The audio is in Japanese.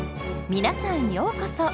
皆さんようこそ！